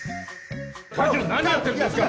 会長何やってるんですか。